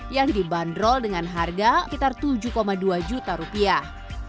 yang dibanderol dengan harga sekitar tujuh dua juta rupiah